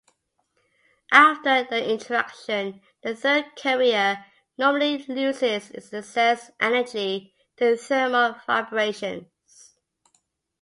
After the interaction, the third carrier normally loses its excess energy to thermal vibrations.